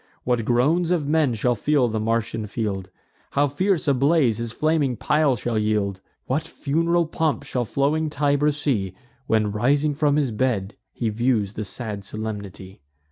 What groans of men shall fill the Martian field! How fierce a blaze his flaming pile shall yield! What fun'ral pomp shall floating Tiber see, When, rising from his bed, he views the sad solemnity!